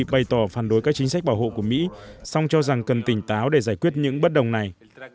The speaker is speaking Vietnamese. bày tỏ phản đối các chính sách bảo hộ của mỹ song cho rằng cần tỉnh táo để giải quyết những bất đồng này